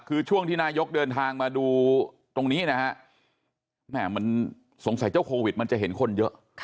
คือช่วงที่นายกเดินทางมาดูตรงนี้นะฮะมันสงสัยเจ้าโควิดมันจะเห็นคนเยอะ